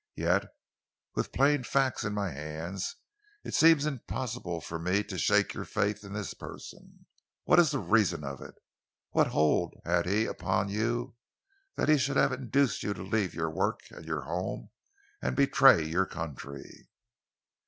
Yet, with plain facts in my hands, it seems impossible for me to shake your faith in this person. What is the reason of it? What hold had he upon you that he should have induced you to leave your work and your home and betray your country?"